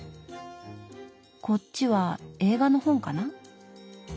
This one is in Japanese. こっちは映画の本かな？